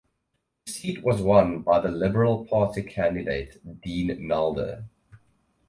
The seat was won by the Liberal Party candidate, Dean Nalder.